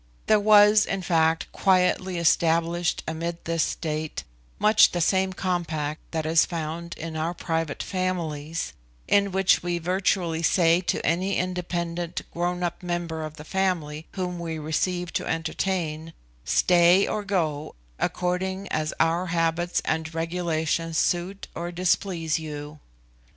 There was, in fact, quietly established amid this state, much the same compact that is found in our private families, in which we virtually say to any independent grown up member of the family whom we receive to entertain, "Stay or go, according as our habits and regulations suit or displease you."